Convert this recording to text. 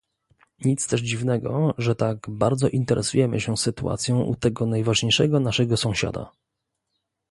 Nic też dziwnego, że tak bardzo interesujemy się sytuacją u tego najważniejszego naszego sąsiada